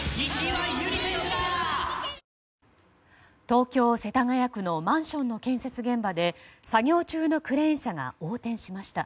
東京・世田谷区のマンションの建設現場で作業中のクレーン車が横転しました。